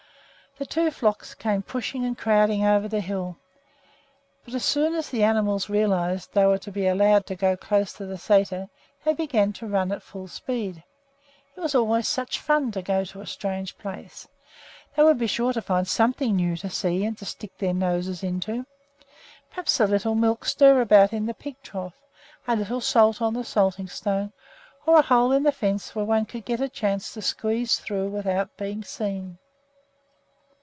The two flocks came pushing and crowding over the hill; but as soon as the animals realized that they were to be allowed to go close to the sæter, they began to run at full speed. It was always such fun to go to a strange place! They would be sure to find something new to see and to stick their noses into, perhaps a little milk stirabout in the pig trough, a little salt on the salting stone, or a hole in the fence where one could get a chance to squeeze through without being seen.